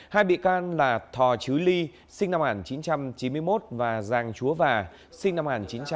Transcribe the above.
hai bị can là thò chứ ly sinh năm một nghìn chín trăm chín mươi một và giang chúa và sinh năm một nghìn chín trăm tám mươi